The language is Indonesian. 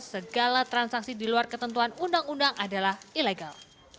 segala transaksi di luar ketentuan undang undang adalah ilegal